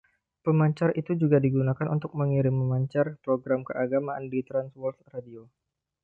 Pemancar itu juga digunakan untuk mengirim memancarkan program keagamaan di Trans World Radio.